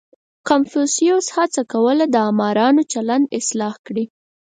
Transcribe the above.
• کنفوسیوس هڅه کوله، د آمرانو چلند اصلاح کړي.